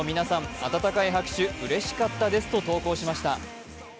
暖かい拍手うれしかったですと投稿しました。